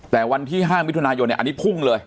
แต่วันที่๕มิถุนายนอันนี้พุ่งเลย